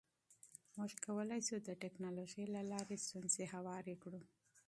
موږ کولی شو د ټکنالوژۍ له لارې ستونزې هوارې کړو.